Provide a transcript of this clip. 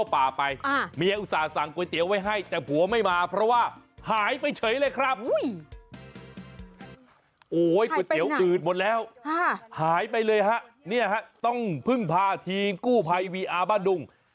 โอ้โหก๋วยเตี๋ยวอืดหมดแล้วหายไปเลยฮะเนี่ยฮะต้องพึ่งพาทีมกู้ภัยวีอาร์บ้านดุง